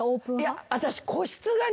私。